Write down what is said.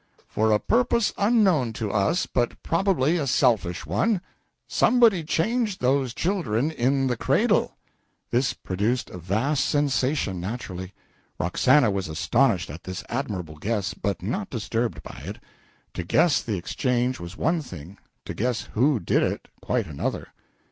For a purpose unknown to us, but probably a selfish one, somebody changed those children in the cradle." This produced a vast sensation, naturally; Roxana was astonished at this admirable guess, but not disturbed by it. To guess the exchange was one thing, to guess who did it quite another.